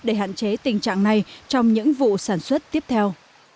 để hạn chế tình trạng này trong những vụ sản xuất tiếp theo